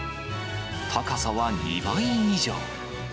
高さは２倍以上。